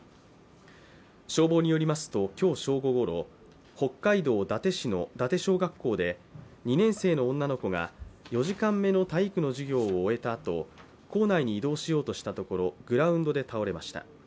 消防によりますと、今日正午ごろ、北海道伊達市の伊達小学校で２年生の女の子が４時間目の体育の授業を終えたあと校内に移動しようとしたところグラウンドで倒れました。